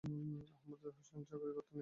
আহমেদ হোসেন চাকরি করতেন ইপিআরে।